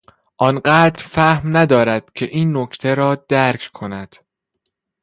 آن قدر فهم ندارد که این نکته را درک کند.